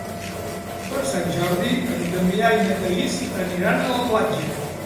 Per Sant Jordi en Damià i na Thaís aniran a la platja.